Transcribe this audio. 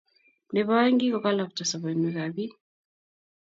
Nebo aeng, kikokalpta sobonwek ab biik